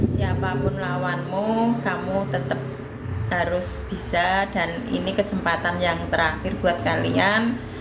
siapapun lawanmu kamu tetap harus bisa dan ini kesempatan yang terakhir buat kalian